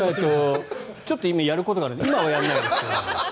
ちょっと今、やることがあるので今はやらないですけど。